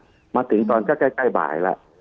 คุณหมอประเมินสถานการณ์บรรยากาศนอกสภาหน่อยได้ไหมคะ